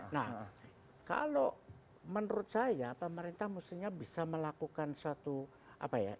nah kalau menurut saya pemerintah mestinya bisa melakukan suatu apa ya